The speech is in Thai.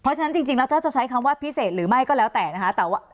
เพราะฉะนั้นจริงแล้วถ้าจะใช้คำว่าพิเศษหรือไม่ก็แล้วแต่นะคะ